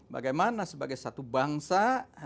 bagaimana sebagai satu bangsa